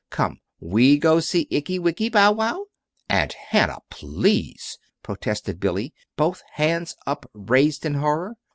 Come, we go see ickey wickey bow wow?" "Aunt Hannah, please!" protested Billy, both hands upraised in horror.